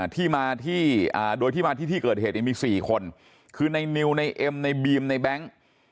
ที่มาที่โดยที่มาที่ที่เกิดเหตุมี๔คนคือในนิวในเอ็มในบีมในแบงค์